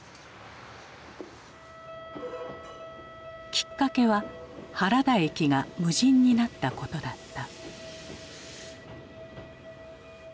きっかけは原田駅が無人になったことだった。